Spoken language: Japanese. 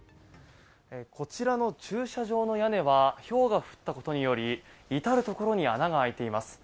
こちらの駐車場の屋根はひょうが降ったことにより至るところに穴が開いています。